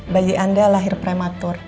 bayi anda lahir prematur